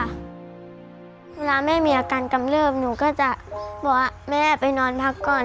เวลาแม่มีอาการกำเริบหนูก็จะบอกว่าแม่ไปนอนพักก่อน